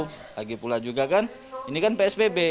lagi pula juga kan ini kan psbb